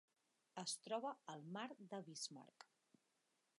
Es troba al Mar de Bismarck.